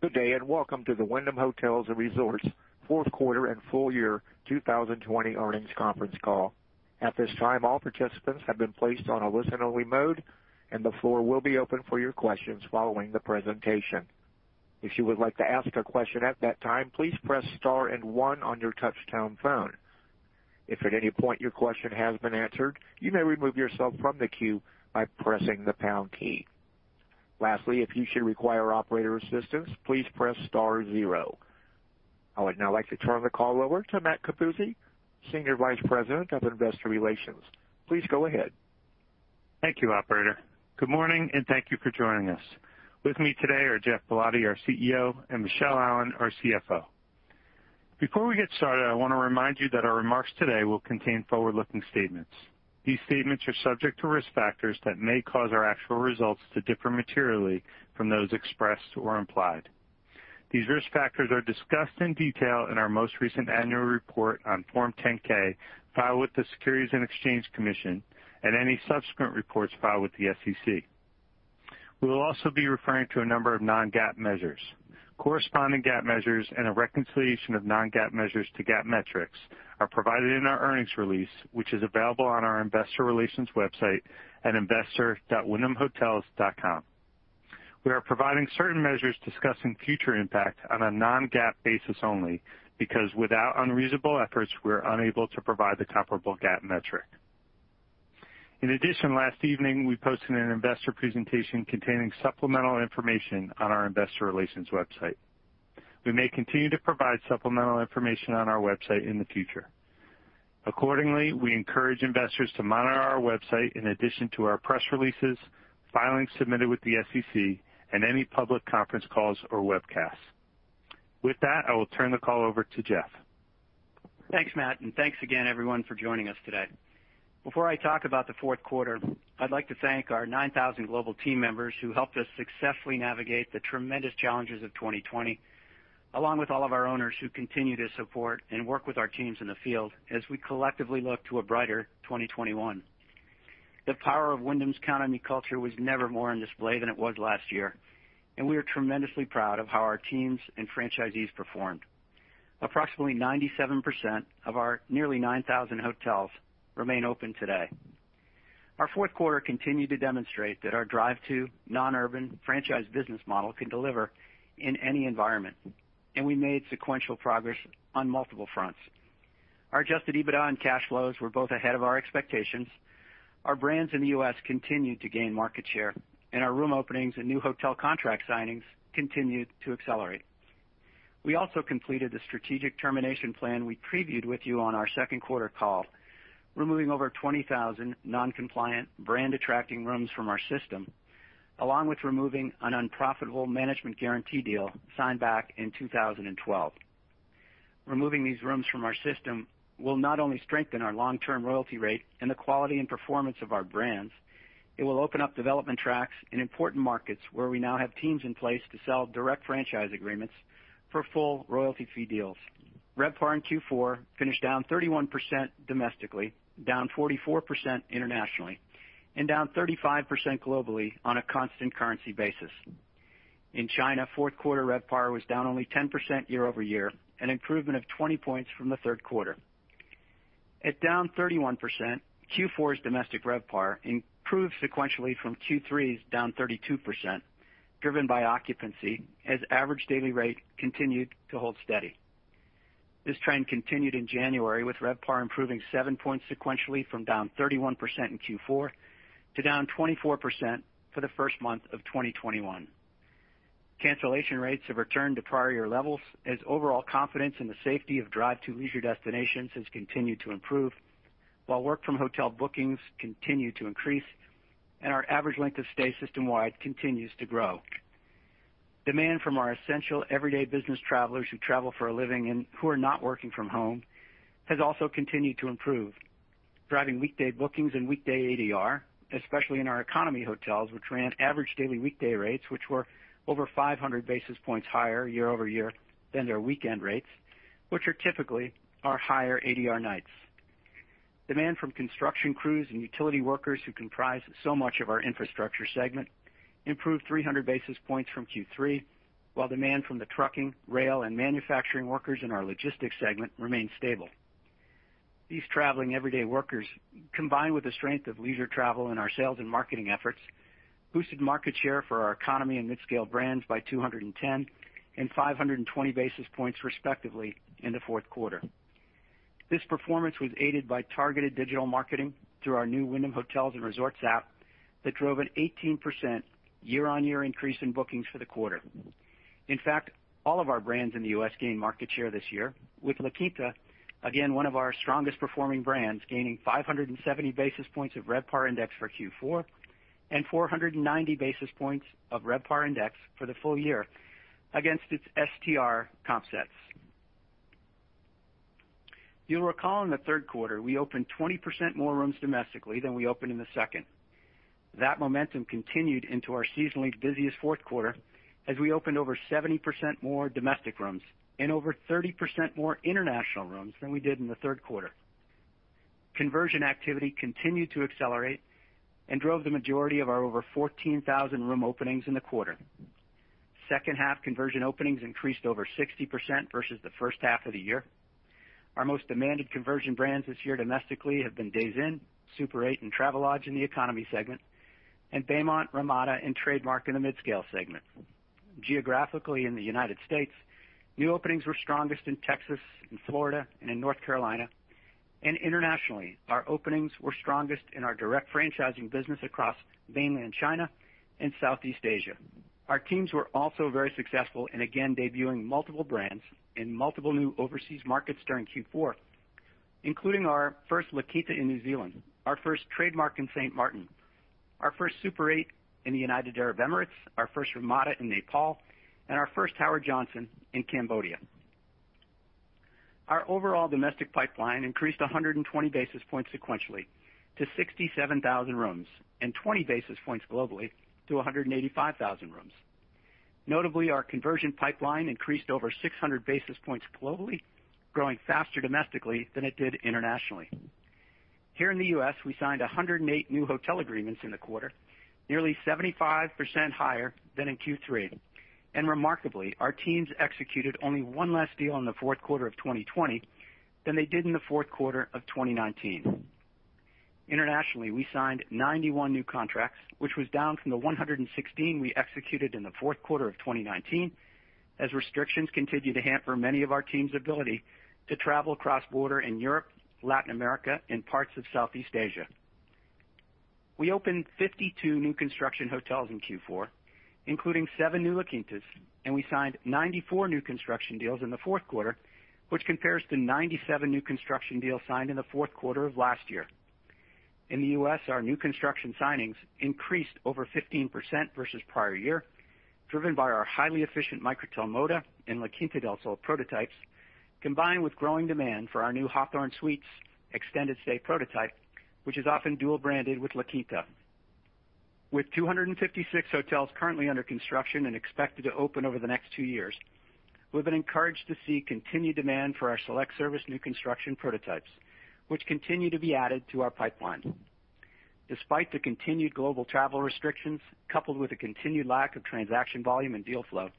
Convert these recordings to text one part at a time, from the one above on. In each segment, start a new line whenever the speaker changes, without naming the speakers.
Good day and welcome to the Wyndham Hotels & Resorts fourth quarter and full year 2020 earnings conference call. At this time, all participants have been placed on a listen-only mode, and the floor will be open for your questions following the presentation. If you would like to ask a question at that time, please press star and one on your touch-tone phone. If at any point your question has been answered, you may remove yourself from the queue by pressing the pound key. Lastly, if you should require operator assistance, please press star zero. I would now like to turn the call over to Matt Capuzzi, Senior Vice President of Investor Relations. Please go ahead.
Thank you, Operator. Good morning and thank you for joining us. With me today are Geoff Ballotti, our CEO, and Michele Allen, our CFO. Before we get started, I want to remind you that our remarks today will contain forward-looking statements. These statements are subject to risk factors that may cause our actual results to differ materially from those expressed or implied. These risk factors are discussed in detail in our most recent annual report on Form 10-K, filed with the Securities and Exchange Commission, and any subsequent reports filed with the SEC. We will also be referring to a number of non-GAAP measures. Corresponding GAAP measures and a reconciliation of non-GAAP measures to GAAP metrics are provided in our earnings release, which is available on our Investor Relations website at investor.wyndhamhotels.com. We are providing certain measures discussing future impact on a non-GAAP basis only because, without unreasonable efforts, we are unable to provide the comparable GAAP metric. In addition, last evening we posted an investor presentation containing supplemental information on our Investor Relations website. We may continue to provide supplemental information on our website in the future. Accordingly, we encourage investors to monitor our website in addition to our press releases, filings submitted with the SEC, and any public conference calls or webcasts. With that, I will turn the call over to Geoff.
Thanks, Matt, and thanks again, everyone, for joining us today. Before I talk about the fourth quarter, I'd like to thank our 9,000 global team members who helped us successfully navigate the tremendous challenges of 2020, along with all of our owners who continue to support and work with our teams in the field as we collectively look to a brighter 2021. The power of Wyndham's economy culture was never more in display than it was last year, and we are tremendously proud of how our teams and franchisees performed. Approximately 97% of our nearly 9,000 hotels remain open today. Our fourth quarter continued to demonstrate that our drive-to non-urban franchise business model can deliver in any environment, and we made sequential progress on multiple fronts. Our Adjusted EBITDA and cash flows were both ahead of our expectations. Our brands in the U.S. continued to gain market share, and our room openings and new hotel contract signings continued to accelerate. We also completed the strategic termination plan we previewed with you on our second quarter call, removing over 20,000 non-compliant, brand-detracting rooms from our system, along with removing an unprofitable management guarantee deal signed back in 2012. Removing these rooms from our system will not only strengthen our long-term royalty rate and the quality and performance of our brands, it will open up development tracks in important markets where we now have teams in place to sell direct franchise agreements for full royalty fee deals. RevPAR in Q4 finished down 31% domestically, down 44% internationally, and down 35% globally on a constant currency basis. In China, fourth quarter RevPAR was down only 10% year over year, an improvement of 20 points from the third quarter. At down 31%, Q4's domestic RevPAR improved sequentially from Q3's down 32%, driven by occupancy as average daily rate continued to hold steady. This trend continued in January, with RevPAR improving 7 points sequentially from down 31% in Q4 to down 24% for the first month of 2021. Cancellation rates have returned to prior year levels as overall confidence in the safety of drive-to leisure destinations has continued to improve, while work-from-hotel bookings continue to increase, and our average length of stay system-wide continues to grow. Demand from our essential everyday business travelers who travel for a living and who are not working from home has also continued to improve, driving weekday bookings and weekday ADR, especially in our economy hotels, which ran average daily weekday rates, which were over 500 basis points higher year over year than their weekend rates, which are typically our higher ADR nights. Demand from construction crews and utility workers who comprise so much of our infrastructure segment improved 300 basis points from Q3, while demand from the trucking, rail, and manufacturing workers in our logistics segment remained stable. These traveling everyday workers, combined with the strength of leisure travel in our sales and marketing efforts, boosted market share for our economy and mid-scale brands by 210 and 520 basis points, respectively, in the fourth quarter. This performance was aided by targeted digital marketing through our new Wyndham Hotels & Resorts app that drove an 18% year-on-year increase in bookings for the quarter. In fact, all of our brands in the U.S. gained market share this year, with La Quinta, again one of our strongest-performing brands, gaining 570 basis points of RevPAR Index for Q4 and 490 basis points of RevPAR Index for the full year against its STR comp sets. You'll recall in the third quarter we opened 20% more rooms domestically than we opened in the second. That momentum continued into our seasonally busiest fourth quarter as we opened over 70% more domestic rooms and over 30% more international rooms than we did in the third quarter. Conversion activity continued to accelerate and drove the majority of our over 14,000 room openings in the quarter. Second-half conversion openings increased over 60% versus the first half of the year. Our most demanded conversion brands this year domestically have been Days Inn, Super 8, and Travelodge in the economy segment, and Baymont, Ramada, and Trademark in the mid-scale segment. Geographically, in the United States, new openings were strongest in Texas and Florida and in North Carolina, and internationally, our openings were strongest in our direct franchising business across mainland China and Southeast Asia. Our teams were also very successful in again debuting multiple brands in multiple new overseas markets during Q4, including our first La Quinta in New Zealand, our first Trademark in St. Martin, our first Super 8 in the United Arab Emirates, our first Ramada in Nepal, and our first Howard Johnson in Cambodia. Our overall domestic pipeline increased 120 basis points sequentially to 67,000 rooms and 20 basis points globally to 185,000 rooms. Notably, our conversion pipeline increased over 600 basis points globally, growing faster domestically than it did internationally. Here in the U.S., we signed 108 new hotel agreements in the quarter, nearly 75% higher than in Q3, and remarkably, our teams executed only one less deal in the fourth quarter of 2020 than they did in the fourth quarter of 2019. Internationally, we signed 91 new contracts, which was down from the 116 we executed in the fourth quarter of 2019 as restrictions continued to hamper many of our teams' ability to travel cross-border in Europe, Latin America, and parts of Southeast Asia. We opened 52 new construction hotels in Q4, including seven new La Quintas, and we signed 94 new construction deals in the fourth quarter, which compares to 97 new construction deals signed in the fourth quarter of last year. In the U.S., our new construction signings increased over 15% versus prior year, driven by our highly efficient Microtel Moda and La Quinta Del Sol prototypes, combined with growing demand for our new Hawthorn Suites extended stay prototype, which is often dual-branded with La Quinta. With 256 hotels currently under construction and expected to open over the next two years, we've been encouraged to see continued demand for our select-service new construction prototypes, which continue to be added to our pipeline. Despite the continued global travel restrictions, coupled with the continued lack of transaction volume and deal flow,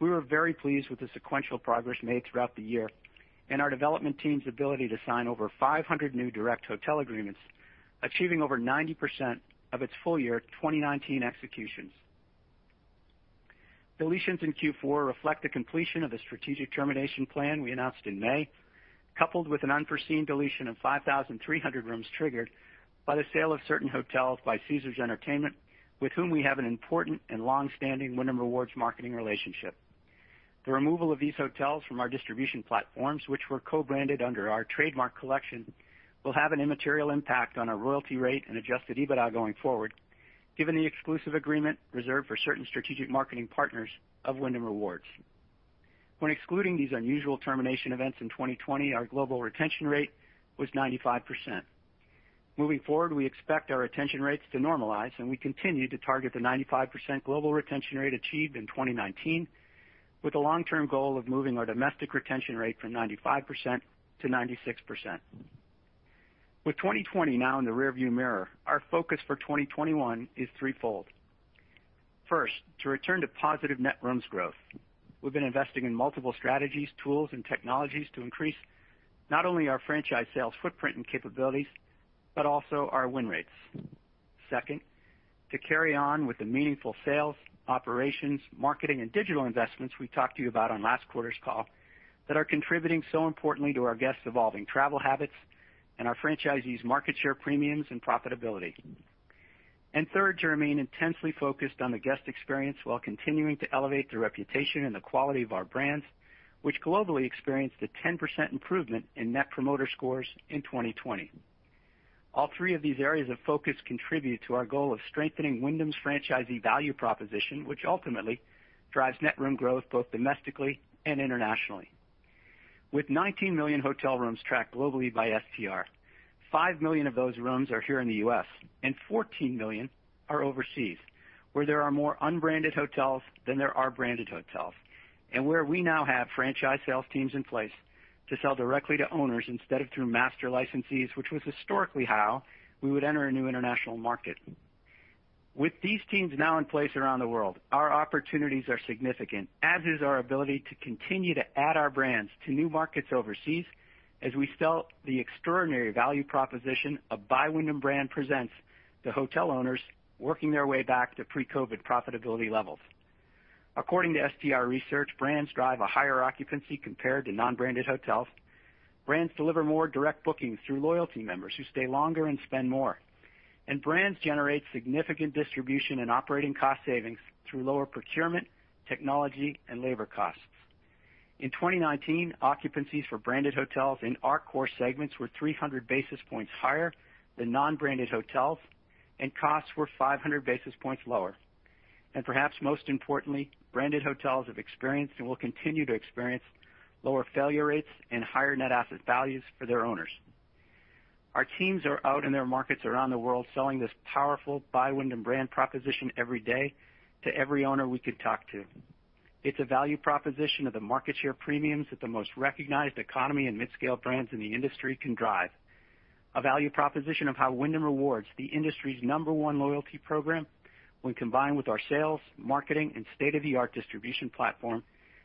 we were very pleased with the sequential progress made throughout the year and our development team's ability to sign over 500 new direct hotel agreements, achieving over 90% of its full year 2019 executions. Deletions in Q4 reflect the completion of the strategic termination plan we announced in May, coupled with an unforeseen deletion of 5,300 rooms triggered by the sale of certain hotels by Caesars Entertainment, with whom we have an important and long-standing Wyndham Rewards marketing relationship. The removal of these hotels from our distribution platforms, which were co-branded under our Trademark Collection, will have an immaterial impact on our royalty rate and Adjusted EBITDA going forward, given the exclusive agreement reserved for certain strategic marketing partners of Wyndham Rewards. When excluding these unusual termination events in 2020, our global retention rate was 95%. Moving forward, we expect our retention rates to normalize, and we continue to target the 95% global retention rate achieved in 2019, with a long-term goal of moving our domestic retention rate from 95% to 96%. With 2020 now in the rearview mirror, our focus for 2021 is threefold. First, to return to positive net rooms growth. We've been investing in multiple strategies, tools, and technologies to increase not only our franchise sales footprint and capabilities, but also our win rates. Second, to carry on with the meaningful sales, operations, marketing, and digital investments we talked to you about on last quarter's call that are contributing so importantly to our guests' evolving travel habits and our franchisees' market share premiums and profitability. And third, to remain intensely focused on the guest experience while continuing to elevate the reputation and the quality of our brands, which globally experienced a 10% improvement in Net Promoter Scores in 2020. All three of these areas of focus contribute to our goal of strengthening Wyndham's franchisee value proposition, which ultimately drives net room growth both domestically and internationally. With 19 million hotel rooms tracked globally by STR, 5 million of those rooms are here in the U.S., and 14 million are overseas, where there are more unbranded hotels than there are branded hotels, and where we now have franchise sales teams in place to sell directly to owners instead of through master licensees, which was historically how we would enter a new international market. With these teams now in place around the world, our opportunities are significant, as is our ability to continue to add our brands to new markets overseas as we sell the extraordinary value proposition a Wyndham brand presents to hotel owners working their way back to pre-COVID profitability levels. According to STR research, brands drive a higher occupancy compared to non-branded hotels. Brands deliver more direct bookings through loyalty members who stay longer and spend more, and brands generate significant distribution and operating cost savings through lower procurement, technology, and labor costs. In 2019, occupancies for branded hotels in our core segments were 300 basis points higher than non-branded hotels, and costs were 500 basis points lower, and perhaps most importantly, branded hotels have experienced and will continue to experience lower failure rates and higher net asset values for their owners. Our teams are out in their markets around the world selling this powerful buy Wyndham brand proposition every day to every owner we can talk to. It's a value proposition of the market share premiums that the most recognized economy and mid-scale brands in the industry can drive, a value proposition of how Wyndham Rewards, the industry's number one loyalty program, when combined with our sales, marketing, and state-of-the-art distribution platform,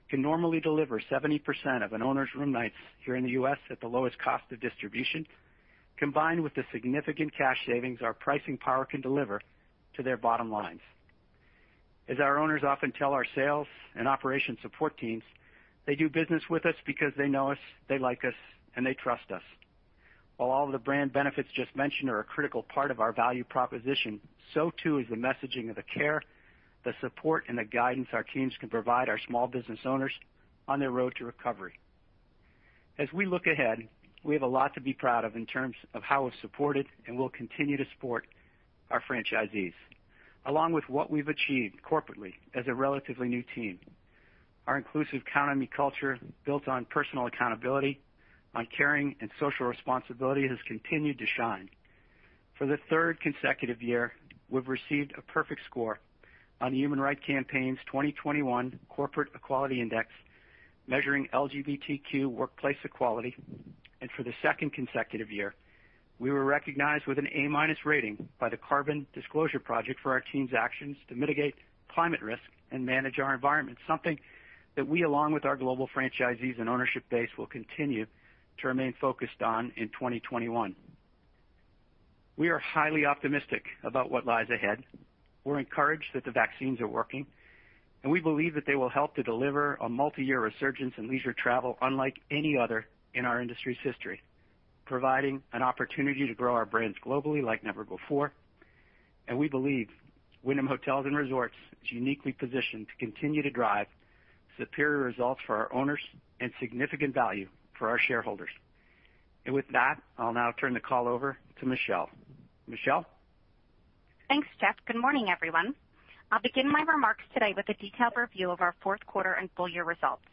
can normally deliver 70% of an owner's room nights here in the U.S. at the lowest cost of distribution, combined with the significant cash savings our pricing power can deliver to their bottom lines. As our owners often tell our sales and operations support teams, they do business with us because they know us, they like us, and they trust us. While all of the brand benefits just mentioned are a critical part of our value proposition, so too is the messaging of the care, the support, and the guidance our teams can provide our small business owners on their road to recovery. As we look ahead, we have a lot to be proud of in terms of how we've supported and will continue to support our franchisees, along with what we've achieved corporately as a relatively new team. Our inclusive economy culture, built on personal accountability, on caring and social responsibility, has continued to shine. For the third consecutive year, we've received a perfect score on the Human Rights Campaign's 2021 Corporate Equality Index measuring LGBTQ workplace equality, and for the second consecutive year, we were recognized with an A-rating by the Carbon Disclosure Project for our team's actions to mitigate climate risk and manage our environment, something that we, along with our global franchisees and ownership base, will continue to remain focused on in 2021. We are highly optimistic about what lies ahead. We're encouraged that the vaccines are working, and we believe that they will help to deliver a multi-year resurgence in leisure travel unlike any other in our industry's history, providing an opportunity to grow our brands globally like never before, and we believe Wyndham Hotels & Resorts is uniquely positioned to continue to drive superior results for our owners and significant value for our shareholders, and with that, I'll now turn the call over to Michele. Michele?
Thanks, Geoff. Good morning, everyone. I'll begin my remarks today with a detailed review of our fourth quarter and full year results.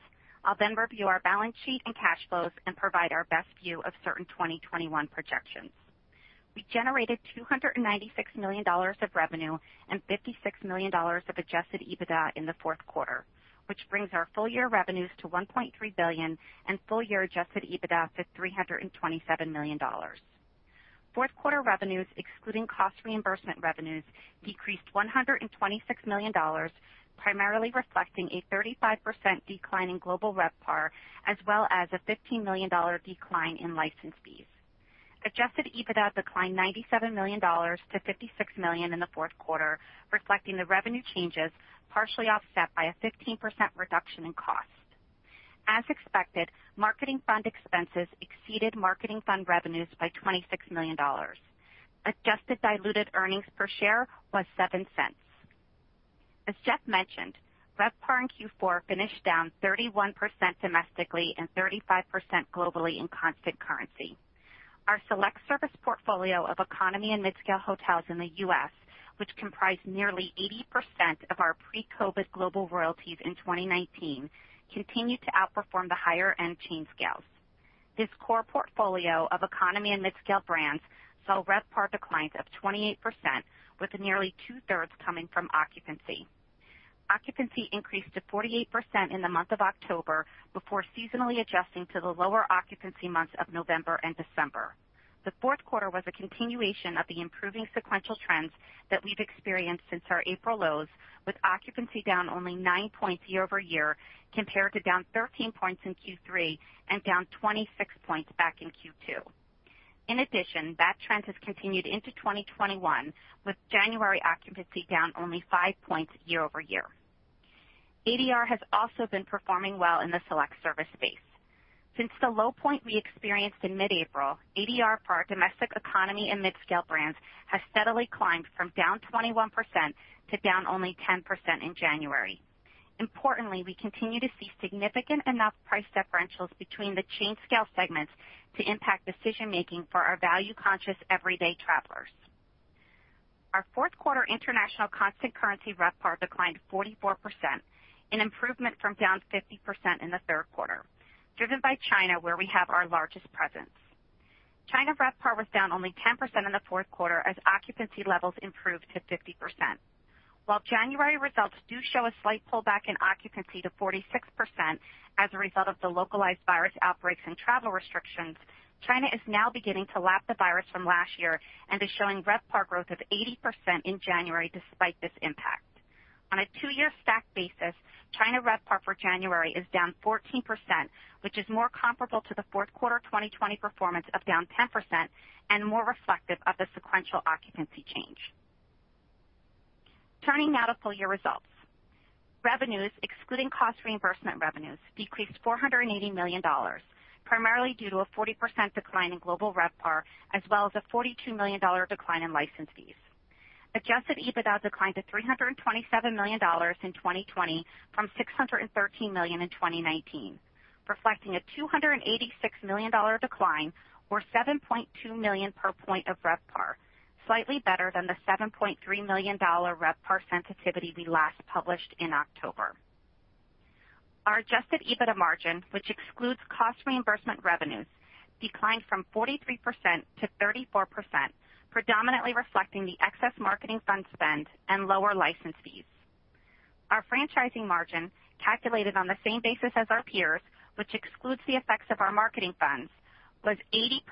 I'll then review our balance sheet and cash flows and provide our best view of certain 2021 projections. We generated $296 million of revenue and $56 million of Adjusted EBITDA in the fourth quarter, which brings our full year revenues to $1.3 billion and full year Adjusted EBITDA to $327 million. Fourth quarter revenues, excluding cost reimbursement revenues, decreased $126 million, primarily reflecting a 35% decline in global RevPAR, as well as a $15 million decline in license fees. Adjusted EBITDA declined $97 million to $56 million in the fourth quarter, reflecting the revenue changes partially offset by a 15% reduction in cost. As expected, marketing fund expenses exceeded marketing fund revenues by $26 million. Adjusted diluted earnings per share was $0.07. As Geoff mentioned, RevPAR in Q4 finished down 31% domestically and 35% globally in constant currency. Our select-service portfolio of economy and mid-scale hotels in the U.S., which comprised nearly 80% of our pre-COVID global royalties in 2019, continued to outperform the higher-end chain scales. This core portfolio of economy and mid-scale brands saw RevPAR declines of 28%, with nearly two-thirds coming from occupancy. Occupancy increased to 48% in the month of October before seasonally adjusting to the lower occupancy months of November and December. The fourth quarter was a continuation of the improving sequential trends that we've experienced since our April lows, with occupancy down only nine points year over year compared to down 13 points in Q3 and down 26 points back in Q2. In addition, that trend has continued into 2021, with January occupancy down only five points year over year. ADR has also been performing well in the select-service space. Since the low point we experienced in mid-April, ADR for our domestic economy and mid-scale brands has steadily climbed from down 21% to down only 10% in January. Importantly, we continue to see significant enough price differentials between the chain scale segments to impact decision-making for our value-conscious everyday travelers. Our fourth quarter international constant currency RevPAR declined 44%, an improvement from down 50% in the third quarter, driven by China, where we have our largest presence. China RevPAR was down only 10% in the fourth quarter as occupancy levels improved to 50%. While January results do show a slight pullback in occupancy to 46% as a result of the localized virus outbreaks and travel restrictions, China is now beginning to lap the virus from last year and is showing RevPAR growth of 80% in January despite this impact. On a two-year stacked basis, China RevPAR for January is down 14%, which is more comparable to the fourth quarter 2020 performance of down 10% and more reflective of the sequential occupancy change. Turning now to full year results. Revenues, excluding cost reimbursement revenues, decreased $480 million, primarily due to a 40% decline in global RevPAR, as well as a $42 million decline in license fees. Adjusted EBITDA declined to $327 million in 2020 from $613 million in 2019, reflecting a $286 million decline, or $7.2 million per point of RevPAR, slightly better than the $7.3 million RevPAR sensitivity we last published in October. Our adjusted EBITDA margin, which excludes cost reimbursement revenues, declined from 43% to 34%, predominantly reflecting the excess marketing fund spend and lower license fees. Our franchising margin, calculated on the same basis as our peers, which excludes the effects of our marketing funds, was 80%,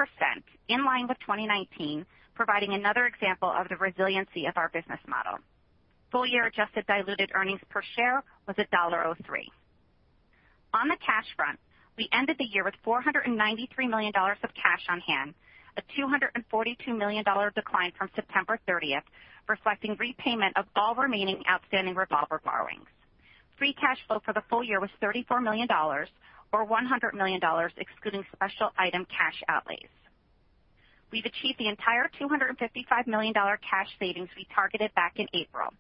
in line with 2019, providing another example of the resiliency of our business model. Full year adjusted diluted earnings per share was $1.03. On the cash front, we ended the year with $493 million of cash on hand, a $242 million decline from September 30, reflecting repayment of all remaining outstanding revolver borrowings. Free cash flow for the full year was $34 million, or $100 million excluding special item cash outlays. We've achieved the entire $255 million cash savings we targeted back in April.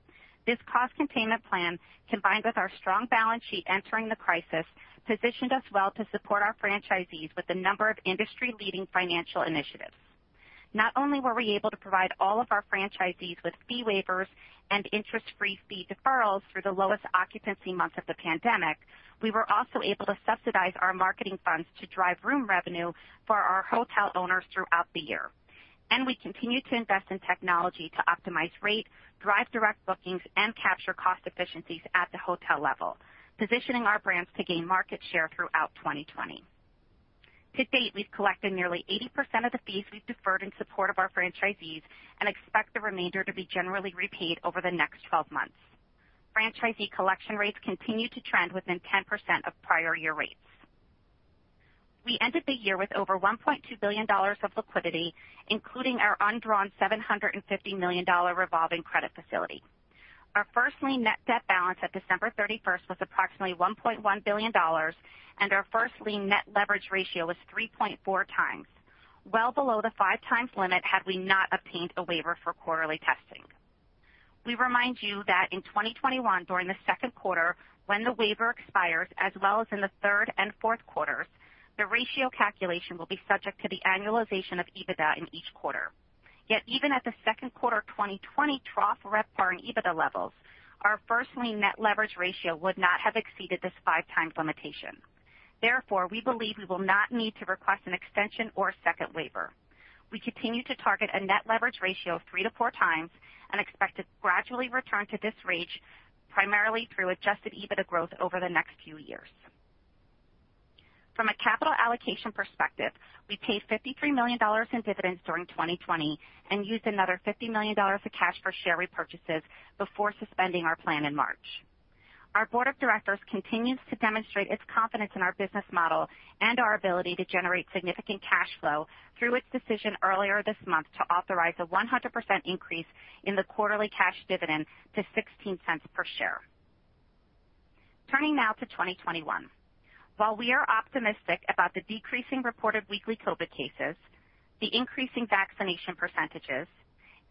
This cost containment plan, combined with our strong balance sheet entering the crisis, positioned us well to support our franchisees with a number of industry-leading financial initiatives. Not only were we able to provide all of our franchisees with fee waivers and interest-free fee deferrals through the lowest occupancy month of the pandemic, we were also able to subsidize our marketing funds to drive room revenue for our hotel owners throughout the year. And we continue to invest in technology to optimize rate, drive direct bookings, and capture cost efficiencies at the hotel level, positioning our brands to gain market share throughout 2020. To date, we've collected nearly 80% of the fees we've deferred in support of our franchisees and expect the remainder to be generally repaid over the next 12 months. Franchisee collection rates continue to trend within 10% of prior year rates. We ended the year with over $1.2 billion of liquidity, including our undrawn $750 million revolving credit facility. Our first lien net debt balance at December 31 was approximately $1.1 billion, and our first lien net leverage ratio was 3.4 times, well below the five-times limit had we not obtained a waiver for quarterly testing. We remind you that in 2021, during the second quarter, when the waiver expires, as well as in the third and fourth quarters, the ratio calculation will be subject to the annualization of EBITDA in each quarter. Yet even at the second quarter 2020 trough RevPAR and EBITDA levels, our first lien net leverage ratio would not have exceeded this five-times limitation. Therefore, we believe we will not need to request an extension or a second waiver. We continue to target a net leverage ratio of three to four times and expect to gradually return to this range, primarily through adjusted EBITDA growth over the next few years. From a capital allocation perspective, we paid $53 million in dividends during 2020 and used another $50 million of cash for share repurchases before suspending our plan in March. Our board of directors continues to demonstrate its confidence in our business model and our ability to generate significant cash flow through its decision earlier this month to authorize a 100% increase in the quarterly cash dividend to $0.16 per share. Turning now to 2021. While we are optimistic about the decreasing reported weekly COVID cases, the increasing vaccination percentages,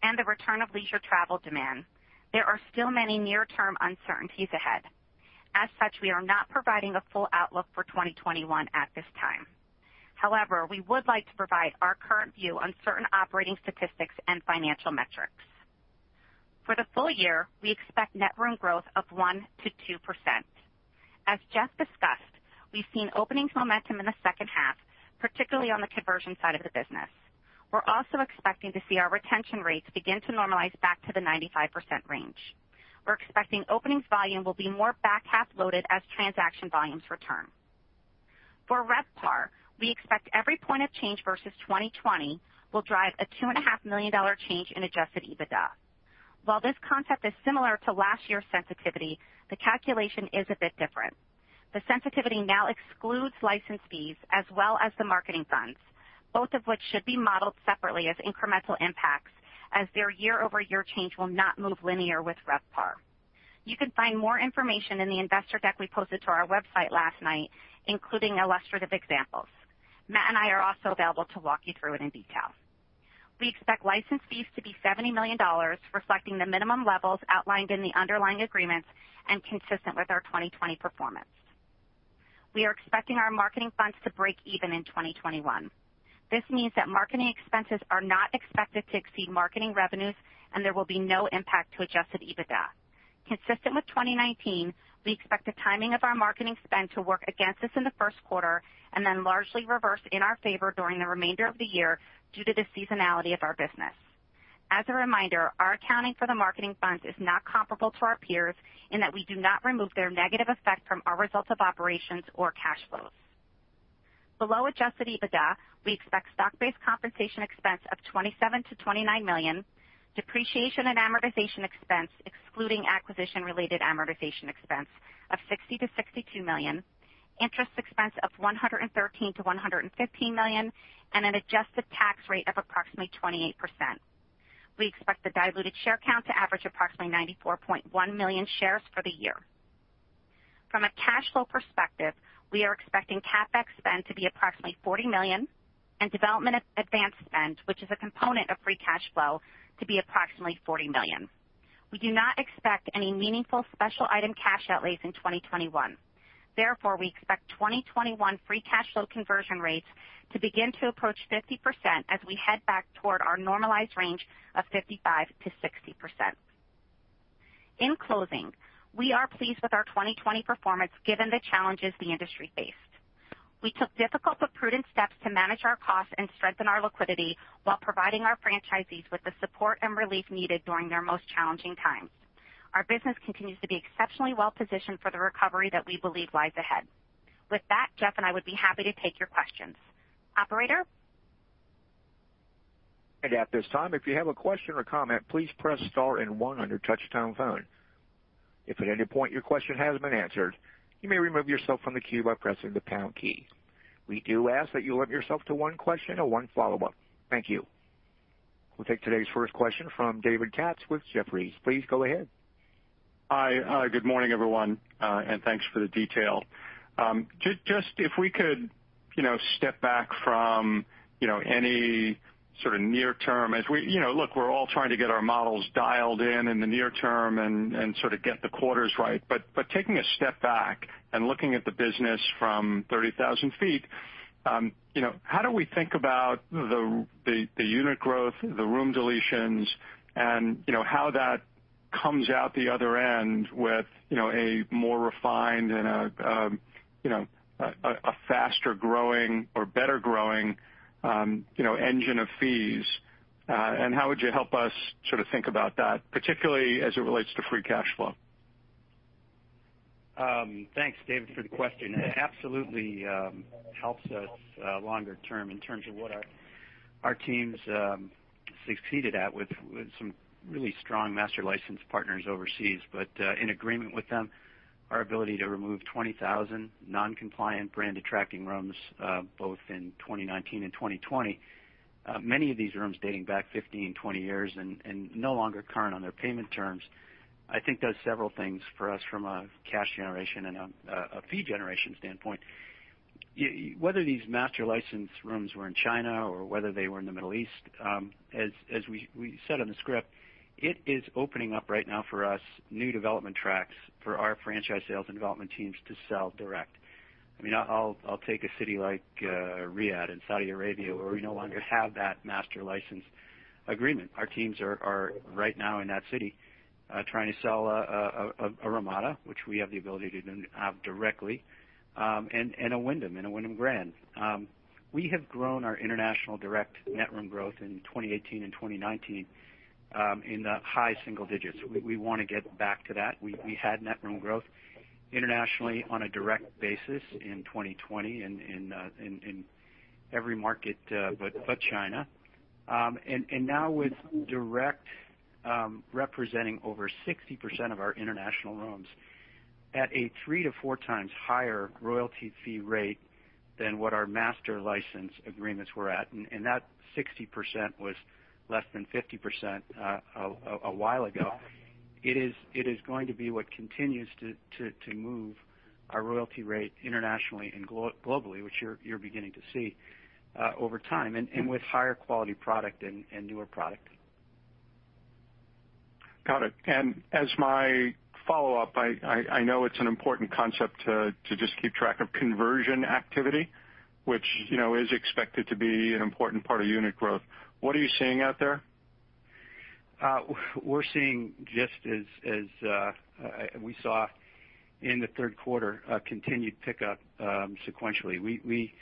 and the return of leisure travel demand, there are still many near-term uncertainties ahead. As such, we are not providing a full outlook for 2021 at this time. However, we would like to provide our current view on certain operating statistics and financial metrics. For the full year, we expect net room growth of 1%-2%. As Geoff discussed, we've seen openings momentum in the second half, particularly on the conversion side of the business. We're also expecting to see our retention rates begin to normalize back to the 95% range. We're expecting openings volume will be more back half loaded as transaction volumes return. For RevPAR, we expect every point of change versus 2020 will drive a $2.5 million change in adjusted EBITDA. While this concept is similar to last year's sensitivity, the calculation is a bit different. The sensitivity now excludes license fees as well as the marketing funds, both of which should be modeled separately as incremental impacts, as their year-over-year change will not move linear with RevPAR. You can find more information in the investor deck we posted to our website last night, including illustrative examples. Matt and I are also available to walk you through it in detail. We expect license fees to be $70 million, reflecting the minimum levels outlined in the underlying agreements and consistent with our 2020 performance. We are expecting our marketing funds to break even in 2021. This means that marketing expenses are not expected to exceed marketing revenues, and there will be no impact to Adjusted EBITDA. Consistent with 2019, we expect the timing of our marketing spend to work against us in the first quarter and then largely reverse in our favor during the remainder of the year due to the seasonality of our business. As a reminder, our accounting for the marketing funds is not comparable to our peers in that we do not remove their negative effect from our results of operations or cash flows. Below Adjusted EBITDA, we expect stock-based compensation expense of $27 million-$29 million, depreciation and amortization expense, excluding acquisition-related amortization expense, of $60 million-$62 million, interest expense of $113 million-$115 million, and an adjusted tax rate of approximately 28%. We expect the diluted share count to average approximately 94.1 million shares for the year. From a cash flow perspective, we are expecting CapEx spend to be approximately $40 million and development advance spend, which is a component of Free Cash Flow, to be approximately $40 million. We do not expect any meaningful special item cash outlays in 2021. Therefore, we expect 2021 Free Cash Flow conversion rates to begin to approach 50% as we head back toward our normalized range of 55%-60%. In closing, we are pleased with our 2020 performance given the challenges the industry faced. We took difficult but prudent steps to manage our costs and strengthen our liquidity while providing our franchisees with the support and relief needed during their most challenging times. Our business continues to be exceptionally well positioned for the recovery that we believe lies ahead. With that, Geoff and I would be happy to take your questions. Operator?
Hey, at this time, if you have a question or comment, please press star and one on your touch-tone phone. If at any point your question has been answered, you may remove yourself from the queue by pressing the pound key. We do ask that you limit yourself to one question and one follow-up. Thank you. We'll take today's first question from David Katz with Jefferies. Please go ahead.
Hi, good morning, everyone, and thanks for the detail. Just if we could, you know, step back from, you know, any sort of near-term, as we, you know, look, we're all trying to get our models dialed in in the near term and sort of get the quarters right. But taking a step back and looking at the business from 30,000 feet, you know, how do we think about the unit growth, the room deletions, and, you know, how that comes out the other end with, you know, a more refined and a, you know, a faster growing or better growing, you know, engine of fees? And how would you help us sort of think about that, particularly as it relates to free cash flow?
Thanks, David, for the question. It absolutely helps us longer term in terms of what our teams succeeded at with some really strong master license partners overseas. But in agreement with them, our ability to remove 20,000 non-compliant brand attracting rooms, both in 2019 and 2020, many of these rooms dating back 15, 20 years and no longer current on their payment terms, I think does several things for us from a cash generation and a fee generation standpoint. Whether these master license rooms were in China or whether they were in the Middle East, as we said on the script, it is opening up right now for us new development tracks for our franchise sales and development teams to sell direct. I mean, I'll take a city like Riyadh in Saudi Arabia, where we no longer have that master license agreement. Our teams are right now in that city trying to sell a Ramada, which we have the ability to have directly, and a Wyndham, and a Wyndham Grand. We have grown our international direct net room growth in 2018 and 2019 in the high single digits. We want to get back to that. We had net room growth internationally on a direct basis in 2020 in every market but China. And now with direct representing over 60% of our international rooms at a three to four times higher royalty fee rate than what our master license agreements were at, and that 60% was less than 50% a while ago, it is going to be what continues to move our royalty rate internationally and globally, which you're beginning to see over time and with higher quality product and newer product.
Got it. And as my follow-up, I know it's an important concept to just keep track of conversion activity, which, you know, is expected to be an important part of unit growth. What are you seeing out there?
We're seeing, just as we saw in the third quarter, a continued pickup sequentially. We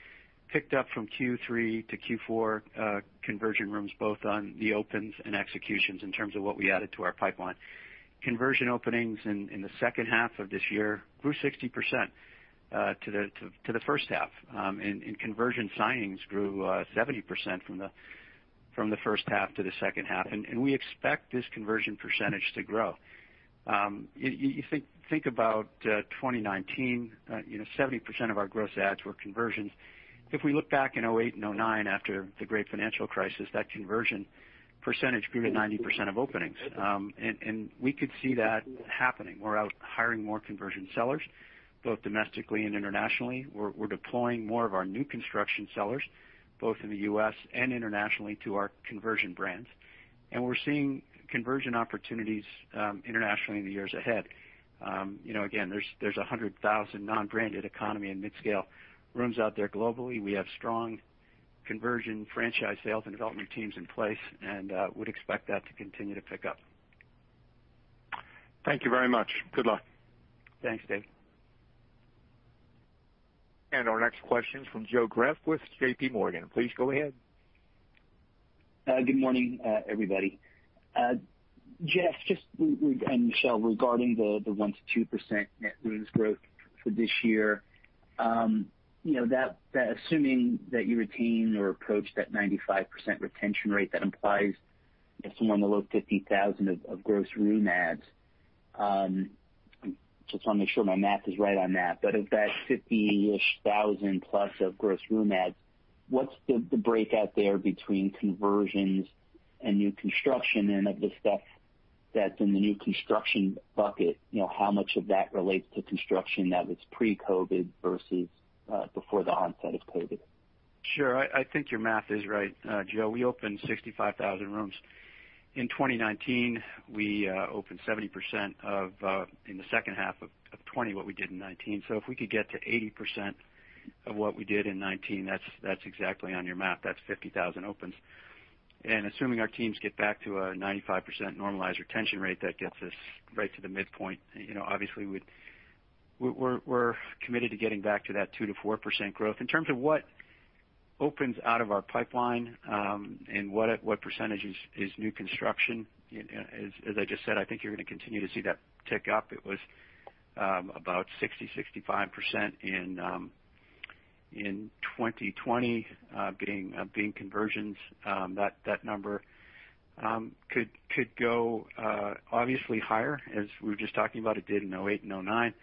picked up from Q3 to Q4 conversion rooms, both on the opens and executions in terms of what we added to our pipeline. Conversion openings in the second half of this year grew 60% to the first half, and conversion signings grew 70% from the first half to the second half. And we expect this conversion percentage to grow. You think about 2019, you know, 70% of our gross adds were conversions. If we look back in 2008 and 2009 after the great financial crisis, that conversion percentage grew to 90% of openings. And we could see that happening. We're out hiring more conversion sellers, both domestically and internationally. We're deploying more of our new construction sellers, both in the U.S. and internationally, to our conversion brands.
And we're seeing conversion opportunities internationally in the years ahead. You know, again, there's 100,000 non-branded economy and mid-scale rooms out there globally. We have strong conversion franchise sales and development teams in place and would expect that to continue to pick up.
Thank you very much. Good luck.
Thanks, Dave.
And our next question is from Joe Greff with J.P. Morgan. Please go ahead.
Good morning, everybody. Geoff, just with Michele regarding the 1%-2% net rooms growth for this year, you know, assuming that you retain or approach that 95% retention rate, that implies somewhere in the low 50,000 of gross room adds. Just want to make sure my math is right on that. But of that 50-ish thousand plus of gross room adds, what's the breakout there between conversions and new construction and of the stuff that's in the new construction bucket? You know, how much of that relates to construction that was pre-COVID versus before the onset of COVID?
Sure. I think your math is right, Joe. We opened 65,000 rooms. In 2019, we opened 70% of, in the second half of 2020, what we did in 2019. So if we could get to 80% of what we did in 2019, that's exactly on your math. That's 50,000 opens. And assuming our teams get back to a 95% normalized retention rate, that gets us right to the midpoint. You know, obviously, we're committed to getting back to that 2%-4% growth. In terms of what opens out of our pipeline and what percentage is new construction, as I just said, I think you're going to continue to see that tick up. It was about 60%, 65% in 2020 being conversions. That number could go obviously higher, as we were just talking about it did in 2008 and 2009.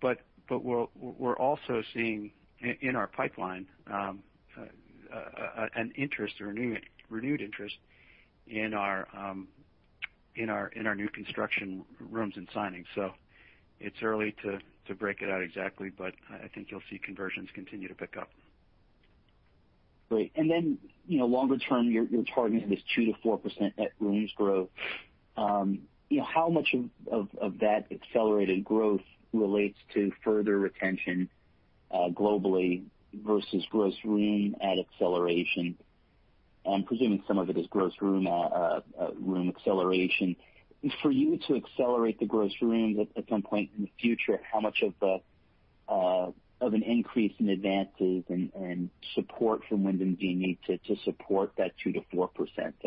But we're also seeing in our pipeline an interest or renewed interest in our new construction rooms and signings. So it's early to break it out exactly, but I think you'll see conversions continue to pick up.
Great. And then, you know, longer term, you're targeting this 2%-4% net rooms growth. You know, how much of that accelerated growth relates to further retention globally versus gross room add acceleration? I'm presuming some of it is gross room acceleration. For you to accelerate the gross rooms at some point in the future, how much of an increase in advances and support from Wyndham do you need to support that 2%-4%?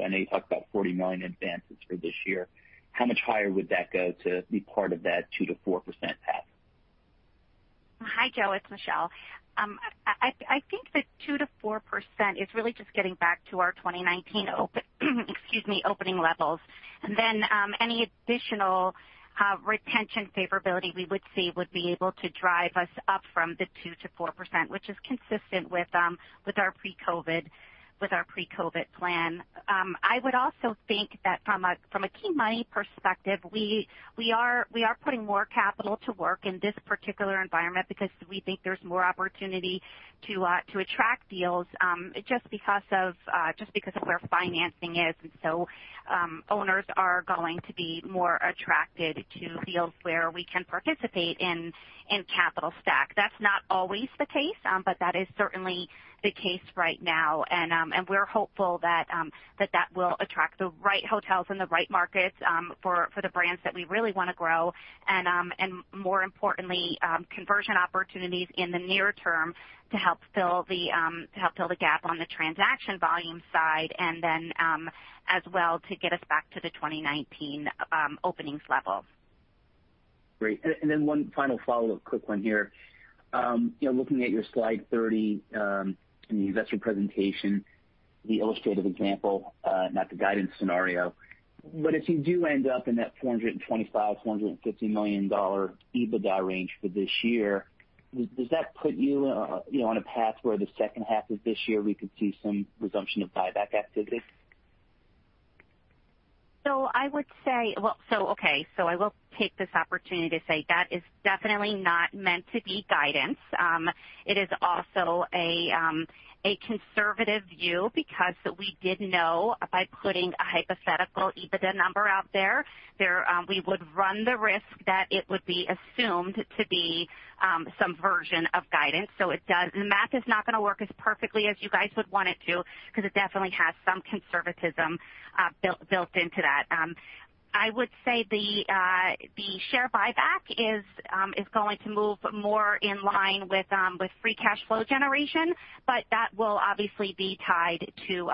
I know you talked about $40 million advances for this year. How much higher would that go to be part of that 2%-4% path?
Hi, Joe. It's Michele. I think the 2%-4% is really just getting back to our 2019 opening levels. Then any additional retention favorability we would see would be able to drive us up from the 2%-4%, which is consistent with our pre-COVID plan. I would also think that from a key money perspective, we are putting more capital to work in this particular environment because we think there's more opportunity to attract deals just because of where financing is. And so owners are going to be more attracted to deals where we can participate in capital stack. That's not always the case, but that is certainly the case right now. We're hopeful that that will attract the right hotels in the right markets for the brands that we really want to grow. And more importantly, conversion opportunities in the near term to help fill the gap on the transaction volume side and then as well to get us back to the 2019 openings level.
Great. And then one final follow-up, quick one here. You know, looking at your slide 30 in the investor presentation, the illustrative example, not the guidance scenario, but if you do end up in that $425 million-$450 million EBITDA range for this year, does that put you on a path where the second half of this year we could see some resumption of buyback activity?
So I would say, well, so okay, so I will take this opportunity to say that is definitely not meant to be guidance. It is also a conservative view because we did know by putting a hypothetical EBITDA number out there, we would run the risk that it would be assumed to be some version of guidance. So the math is not going to work as perfectly as you guys would want it to because it definitely has some conservatism built into that. I would say the share buyback is going to move more in line with free cash flow generation, but that will obviously be tied to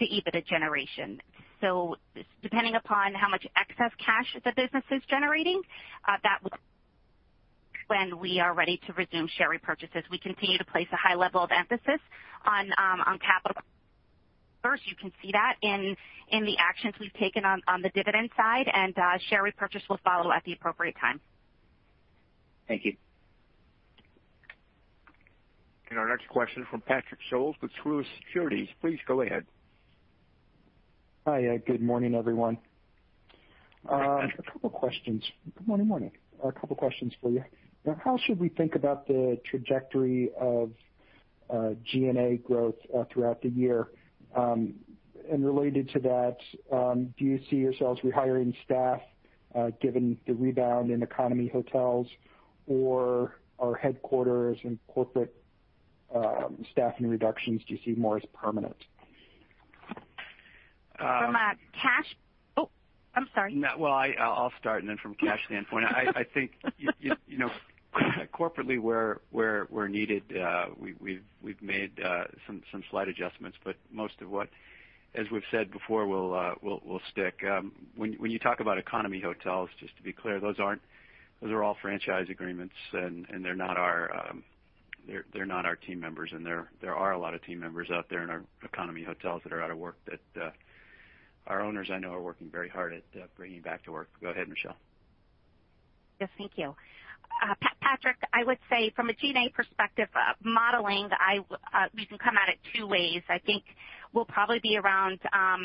EBITDA generation. So depending upon how much excess cash the business is generating, that will be when we are ready to resume share repurchases. We continue to place a high level of emphasis on capital. First, you can see that in the actions we've taken on the dividend side, and share repurchase will follow at the appropriate time.
Thank you.
Our next question is from Patrick Scholes with Truist Securities. Please go ahead.
Hi, good morning, everyone. A couple of questions. Good morning. A couple of questions for you. How should we think about the trajectory of G&A growth throughout the year? And related to that, do you see yourselves rehiring staff given the rebound in economy hotels, or are headquarters and corporate staffing reductions do you see more as permanent?
From a cash, oh, I'm sorry.
Well, I'll start and then from a cash standpoint. I think, you know, corporately we're needed. We've made some slight adjustments, but most of what, as we've said before, we'll stick. When you talk about economy hotels, just to be clear, those are all franchise agreements, and they're not our team members. There are a lot of team members out there in our economy hotels that are out of work that our owners, I know, are working very hard at bringing back to work. Go ahead, Michele.
Yes, thank you. Patrick, I would say from a G&A perspective, modeling, we can come at it two ways. I think we'll probably be around $5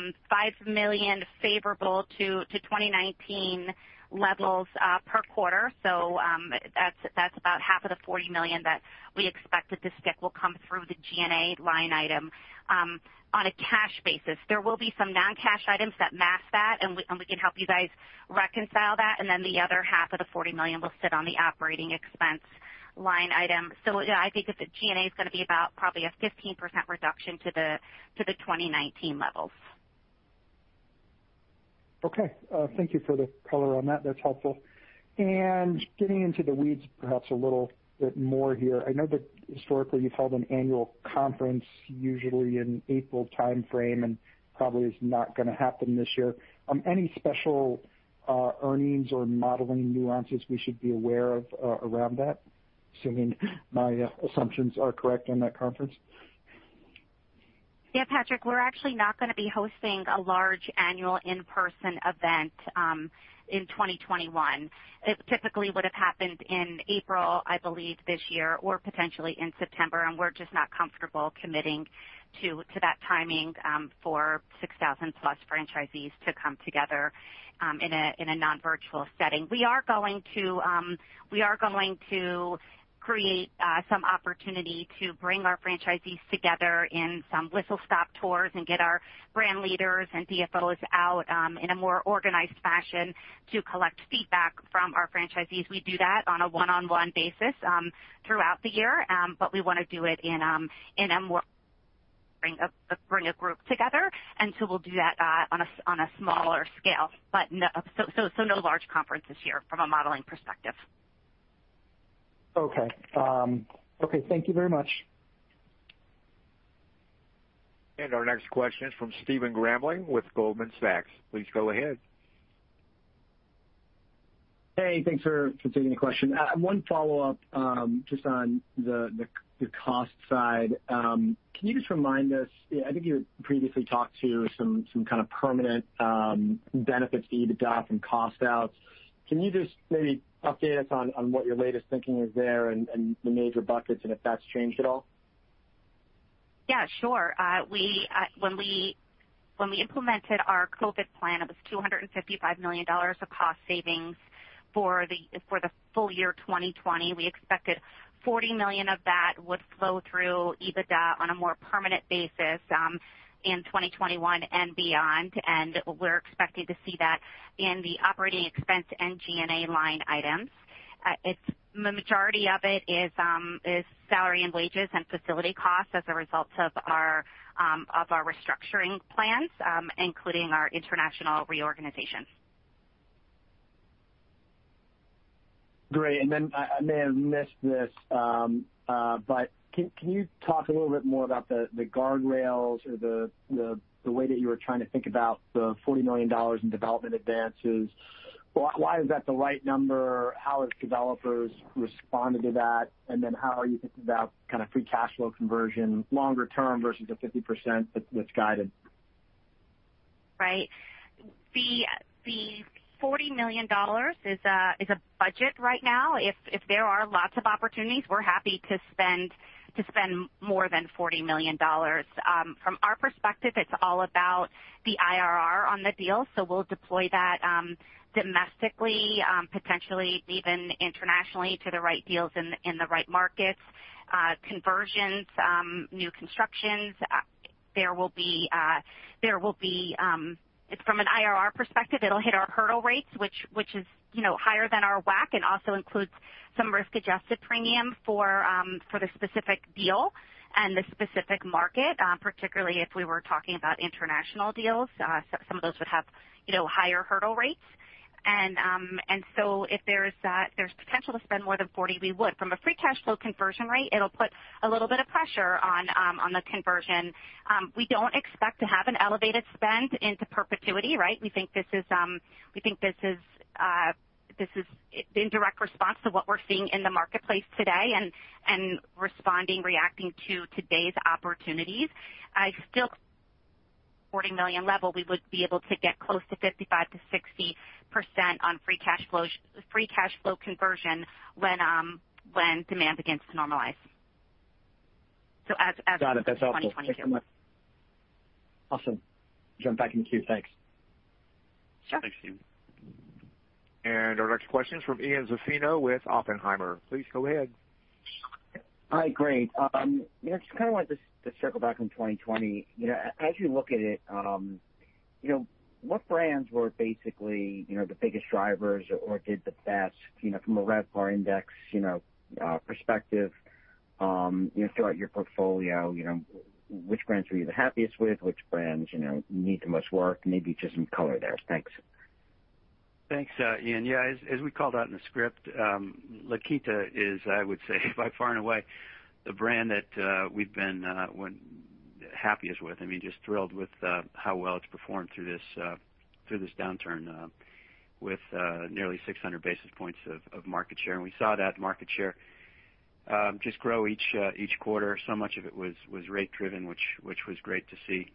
million favorable to 2019 levels per quarter. So that's about half of the $40 million that we expected to stick will come through the G&A line item on a cash basis. There will be some non-cash items that match that, and we can help you guys reconcile that. And then the other half of the $40 million will sit on the operating expense line item. So yeah, I think the G&A is going to be about probably a 15% reduction to the 2019 levels.
Okay. Thank you for the color on that. That's helpful. And getting into the weeds perhaps a little bit more here. I know that historically you've held an annual conference usually in April timeframe and probably is not going to happen this year. Any special earnings or modeling nuances we should be aware of around that? Assuming my assumptions are correct on that conference.
Yeah, Patrick, we're actually not going to be hosting a large annual in-person event in 2021. It typically would have happened in April, I believe, this year, or potentially in September. And we're just not comfortable committing to that timing for 6,000 plus franchisees to come together in a non-virtual setting. We are going to create some opportunity to bring our franchisees together in some whistle-stop tours and get our brand leaders and DFOs out in a more organized fashion to collect feedback from our franchisees. We do that on a one-on-one basis throughout the year, but we want to do it in a more bring a group together. And so we'll do that on a smaller scale, but so no large conference this year from a modeling perspective.
Okay. Okay, thank you very much.
And our next question is from Steven Grambling with Goldman Sachs. Please go ahead.
Hey, thanks for completing the question. One follow-up just on the cost side. Can you just remind us? I think you had previously talked to some kind of permanent benefits to EBITDA from cost out. Can you just maybe update us on what your latest thinking is there and the major buckets and if that's changed at all?
Yeah, sure. When we implemented our COVID plan, it was $255 million of cost savings for the full year 2020. We expected 40 million of that would flow through EBITDA on a more permanent basis in 2021 and beyond. And we're expecting to see that in the operating expense and G&A line items. The majority of it is salary and wages and facility costs as a result of our restructuring plans, including our international reorganization.
Great. And then I may have missed this, but can you talk a little bit more about the guardrails or the way that you were trying to think about the $40 million in development advances? Why is that the right number? How have developers responded to that? And then how are you thinking about kind of free cash flow conversion longer term versus the 50% that's guided?
Right. The $40 million is a budget right now. If there are lots of opportunities, we're happy to spend more than $40 million. From our perspective, it's all about the IRR on the deal. We'll deploy that domestically, potentially even internationally to the right deals in the right markets, conversions, new constructions. There will be from an IRR perspective, it'll hit our hurdle rates, which is higher than our WACC and also includes some risk-adjusted premium for the specific deal and the specific market, particularly if we were talking about international deals. Some of those would have higher hurdle rates. If there's potential to spend more than $40, we would. From a free cash flow conversion rate, it'll put a little bit of pressure on the conversion. We don't expect to have an elevated spend into perpetuity, right? We think this is an indirect response to what we're seeing in the marketplace today and responding, reacting to today's opportunities. Still, at the $40 million level, we would be able to get close to 55%-60% on free cash flow conversion when demand begins to normalize. So as of 2022.
Got it. That's helpful. Awesome. Jump back in the queue. Thanks.
Sure.
Thanks, Steven.
And our next question is from Ian Zaffino with Oppenheimer. Please go ahead.
Hi, great. You know, I just kind of wanted to circle back on 2020. You know, as you look at it, you know, what brands were basically the biggest drivers or did the best from a RevPAR index perspective throughout your portfolio? Which brands were you the happiest with? Which brands need the most work? Maybe just some color there. Thanks.
Thanks, Ian. Yeah, as we called out in the script, La Quinta is, I would say, by far and away the brand that we've been happiest with. I mean, just thrilled with how well it's performed through this downturn with nearly 600 basis points of market share. We saw that market share just grow each quarter. So much of it was rate-driven, which was great to see.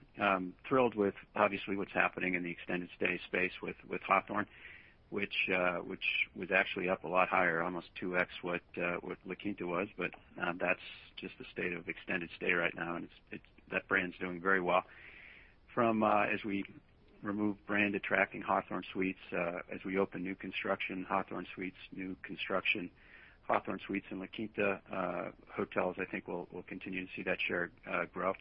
Thrilled with, obviously, what's happening in the extended stay space with Hawthorn, which was actually up a lot higher, almost 2x what La Quinta was. But that's just the state of extended stay right now. That brand's doing very well. From as we remove brand attracting Hawthorn Suites, as we open new construction, Hawthorn Suites, new construction, Hawthorn Suites and La Quinta hotels, I think we'll continue to see that share grow.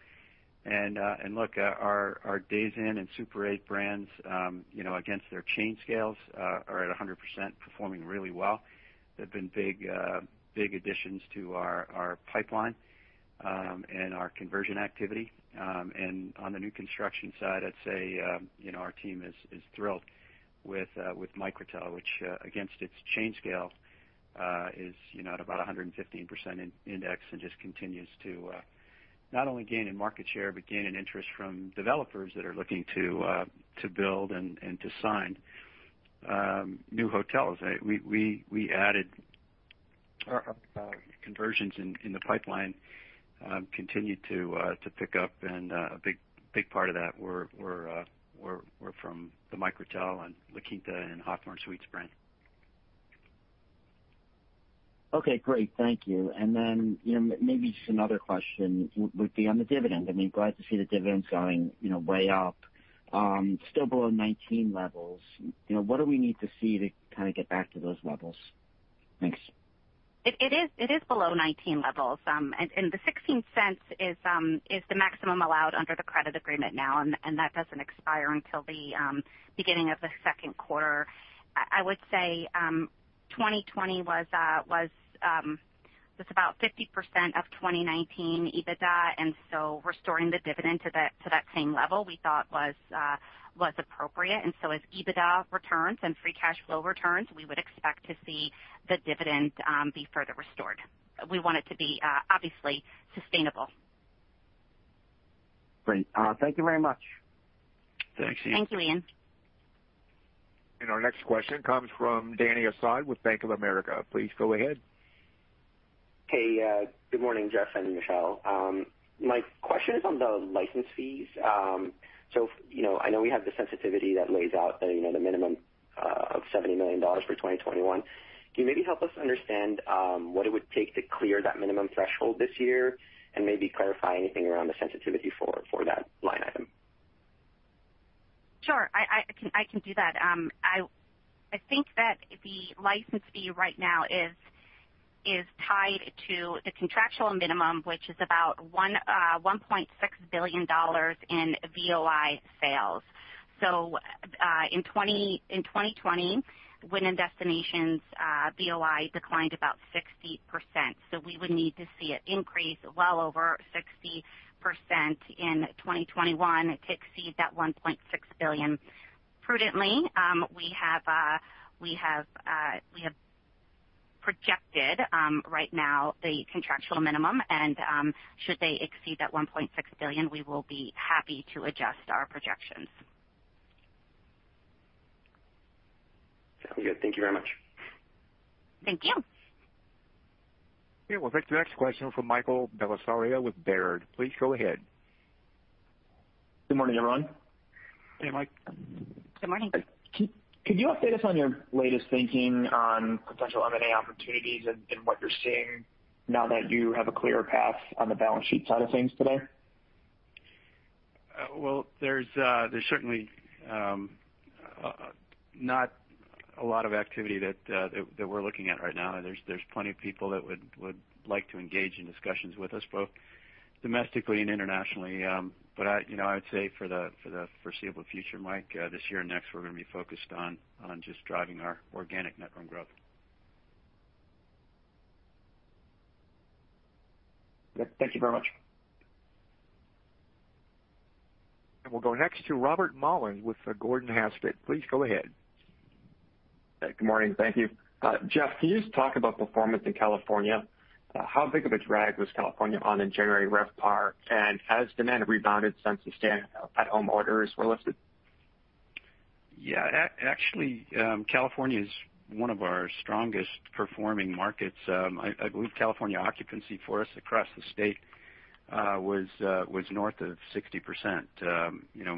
Look, our Days Inn and Super 8 brands against their chain scales are at 100% performing really well. They've been big additions to our pipeline and our conversion activity. On the new construction side, I'd say our team is thrilled with Microtel, which against its chain scale is at about 115% index and just continues to not only gain in market share, but gain in interest from developers that are looking to build and to sign new hotels. We added conversions in the pipeline continue to pick up. And a big part of that were from the Microtel and La Quinta and Hawthorn Suites brand.
Okay, great. Thank you. And then maybe just another question would be on the dividend. I mean, glad to see the dividends going way up. Still below 19 levels. What do we need to see to kind of get back to those levels? Thanks.
It is below 19 levels. And the $0.16 is the maximum allowed under the credit agreement now, and that doesn't expire until the beginning of the second quarter. I would say 2020 was about 50% of 2019 EBITDA, and so restoring the dividend to that same level we thought was appropriate. And so as EBITDA returns and free cash flow returns, we would expect to see the dividend be further restored. We want it to be obviously sustainable.
Great. Thank you very much.
Thanks, Ian.
Thank you, Ian.
And our next question comes from Dany Asad with Bank of America. Please go ahead.
Hey, good morning, Geoff and Michele. My question is on the license fees. So I know we have the sensitivity that lays out the minimum of $70 million for 2021. Can you maybe help us understand what it would take to clear that minimum threshold this year and maybe clarify anything around the sensitivity for that line item?
Sure. I can do that. I think that the license fee right now is tied to the contractual minimum, which is about $1.6 billion in VOI sales. So in 2020, Wyndham Destinations' VOI declined about 60%. So we would need to see it increase well over 60% in 2021 to exceed that $1.6 billion. Prudently, we have projected right now the contractual minimum, and should they exceed that $1.6 billion, we will be happy to adjust our projections.
Sounds good. Thank you very much.
Thank you.
Okay, well, thanks. Next question from Michael Bellisaria with Baird. Please go ahead. Good morning, everyone.
Hey, Mike.
Good morning.
Could you update us on your latest thinking on potential M&A opportunities and what you're seeing now that you have a clearer path on the balance sheet side of things today?
Well, there's certainly not a lot of activity that we're looking at right now. There's plenty of people that would like to engage in discussions with us both domestically and internationally. But I would say for the foreseeable future, Mike, this year and next, we're going to be focused on just driving our organic network growth.
Yep. Thank you very much.
And we'll go next to Robert Mollins with Gordon Haskett. Please go ahead.
Good morning. Thank you. Geoff, can you just talk about performance in California? How big of a drag was California on in January RevPAR? And has demand rebounded since the stay-at-home orders were lifted?
Yeah, actually, California is one of our strongest performing markets. I believe California occupancy for us across the state was north of 60%.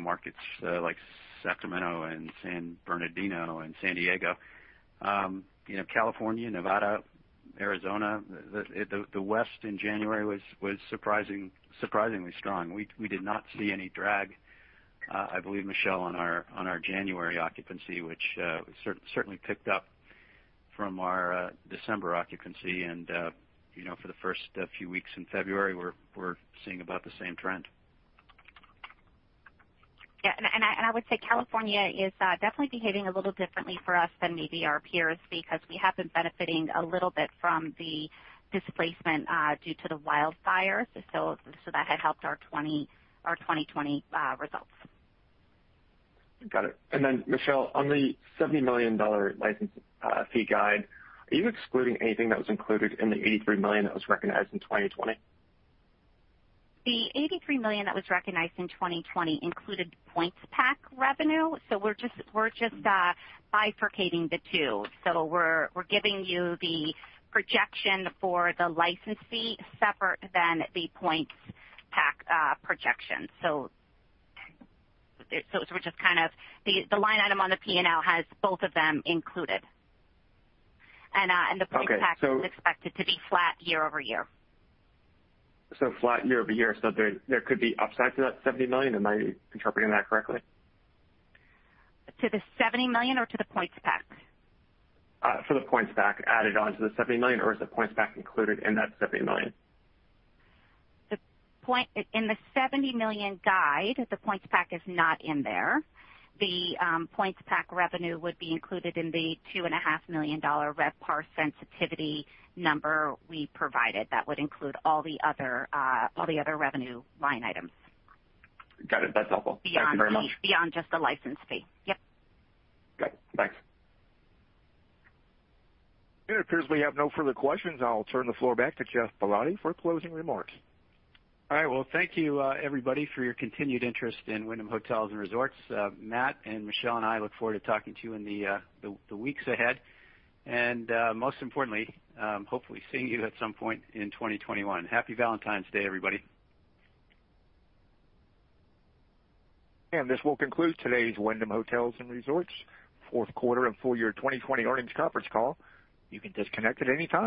Markets like Sacramento and San Bernardino and San Diego, California, Nevada, Arizona, the West in January was surprisingly strong. We did not see any drag, I believe, Michele, on our January occupancy, which certainly picked up from our December occupancy. And for the first few weeks in February, we're seeing about the same trend.
Yeah. And I would say California is definitely behaving a little differently for us than maybe our peers because we have been benefiting a little bit from the displacement due to the wildfires. So that had helped our 2020 results.
Got it. And then, Michele, on the $70 million license fee guide, are you excluding anything that was included in the $83 million that was recognized in 2020?
The $83 million that was recognized in 2020 included points pack revenue. So we're just bifurcating the two. So we're giving you the projection for the license fee separate than the points pack projection. So, we're just kind of the line item on the P&L has both of them included. And the points pack is expected to be flat year over year. So flat year over year.
So there could be upside to that $70 million. Am I interpreting that correctly?
To the $70 million or to the points pack?
For the points pack added on to the $70 million, or is the points pack included in that $70 million?
In the $70 million guide, the points pack is not in there. The points pack revenue would be included in the $2.5 million RevPAR sensitivity number we provided. That would include all the other revenue line items.
Got it. That's helpful. Thank you very much.
Beyond just the license fee. Yep.
Good. Thanks.
It appears we have no further questions. I'll turn the floor back to Geoff Ballotti for closing remarks. All right.
Thank you, everybody, for your continued interest in Wyndham Hotels & Resorts. Matt and Michele and I look forward to talking to you in the weeks ahead. Most importantly, hopefully seeing you at some point in 2021. Happy Valentine's Day, everybody. This will conclude today's Wyndham Hotels & Resorts fourth quarter and full year 2020 earnings conference call. You can disconnect at any time.